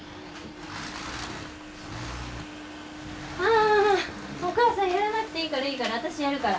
あお母さんやらなくていいからいいから私やるから。